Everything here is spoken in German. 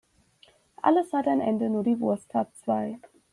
Alles hat ein Ende, nur die Wurst hat zwei.